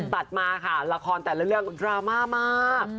ตัดมาค่ะละครแต่ละเรื่องดราม่ามาก